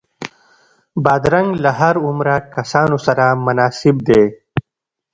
بادرنګ له هر عمره کسانو سره مناسب دی.